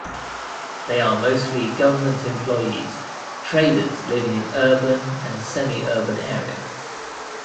They are mostly government employees, traders living in urban and semi-urban area.